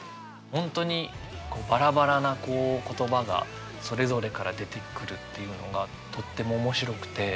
本当にバラバラな言葉がそれぞれから出てくるっていうのがとっても面白くて。